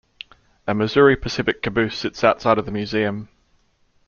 A Missouri-Pacific caboose sits outside of the museum.